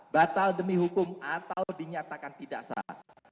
batal demi hukum atau dinyatakan tidak sah